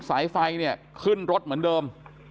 สายไฟเนี่ยขึ้นรถเหมือนเดิม